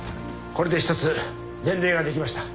これで一つ前例ができました。